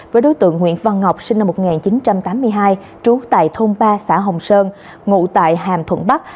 với đối tượng nguyễn văn ngọc sinh năm một nghìn chín trăm tám mươi hai trú tại thôn ba xã hồng sơn ngụ tại hàm thuận bắc